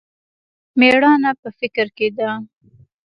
مېړانه په فکر کښې ده.